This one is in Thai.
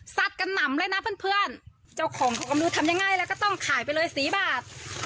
กันหนำเลยนะเพื่อนเพื่อนเจ้าของเขาก็ไม่รู้ทำยังไงแล้วก็ต้องขายไปเลยสี่บาท